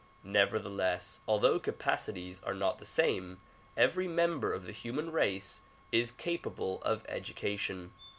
Nevertheless although capacities are not the same, every member of the human race is capable of education.